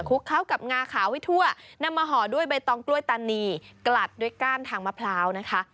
เข้ากับงาขาวไว้ทั่วนำมาห่อด้วยใบตองกล้วยตานีกลัดด้วยก้านทางมะพร้าวนะคะ